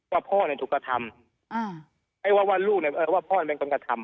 ว่าพ่อเนี่ยถูกกระทำไอ้ว่าว่าลูกเนี่ยว่าพ่อเป็นคนกระทำ